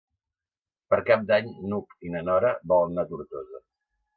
Per Cap d'Any n'Hug i na Nora volen anar a Tortosa.